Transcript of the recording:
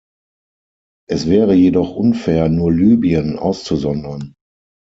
Es wäre jedoch unfair, nur Libyen auszusondern.